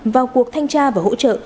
vào cuộc thanh tra và hỗ trợ